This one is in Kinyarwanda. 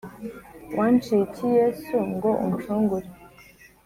Wanciye iki yesu ngo uncungure